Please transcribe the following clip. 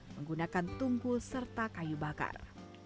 menggunakan tungkul serta kayu bakar